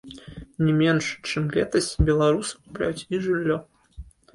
Не менш, чым летась, беларусы купляюць і жыллё.